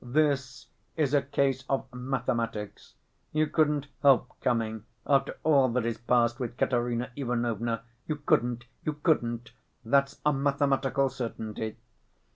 This is a case of mathematics: you couldn't help coming, after all that has passed with Katerina Ivanovna; you couldn't, you couldn't, that's a mathematical certainty."